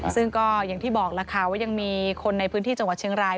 ซึ่งก็อย่างที่บอกล่ะค่ะว่ายังมีคนในพื้นที่จังหวัดเชียงราย